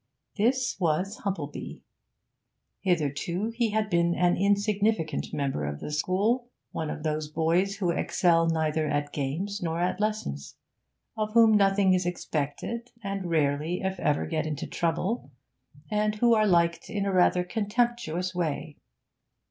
This was Humplebee. Hitherto he had been an insignificant member of the school, one of those boys who excel neither at games nor at lessons, of whom nothing is expected, and rarely, if ever, get into trouble, and who are liked in a rather contemptuous way.